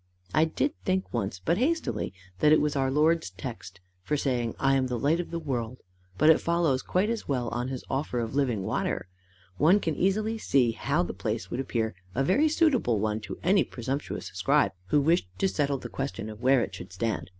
I did think once, but hastily, that it was our Lord's text for saying I AM THE LIGHT OF THE WORLD, but it follows quite as well on his offer of living water. One can easily see how the place would appear a very suitable one to any presumptuous scribe who wished to settle the question of where it should stand.